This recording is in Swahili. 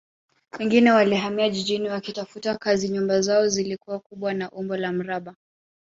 Wengine walihamia jijini wakitafuta kazi nyumba zao zilikuwa kubwa na za umbo la mraba